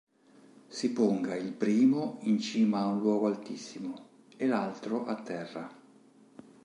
Si ponga il primo in cima a un luogo altissimo, e l'altro a terra.